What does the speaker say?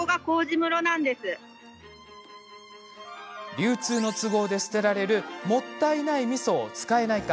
流通の都合で捨てられるもったいないみそを使えないか。